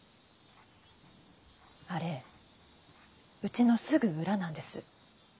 あれうちのすぐ裏なんです。